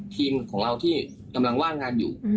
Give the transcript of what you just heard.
ทีมของเราที่กำลังว่างงานอยู่